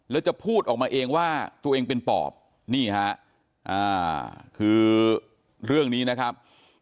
แล้วจะพูดออกมาเองว่าตัวเองเป็นปอบนี่ฮะคือเรื่องนี้นะครับ